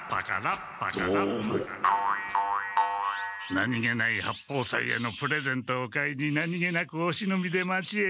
何気ない八方斎へのプレゼントを買いに何気なくおしのびで町へ行こう。